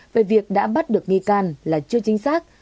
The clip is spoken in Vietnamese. về việc đã bắt được nghi can là chưa chính xác